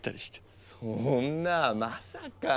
そんなまさか。